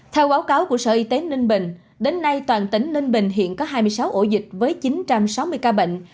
theo báo cáo của sở y tế ninh bình đến nay toàn tỉnh ninh bình hiện có hai mươi sáu ổ dịch với chín trăm sáu mươi ca bệnh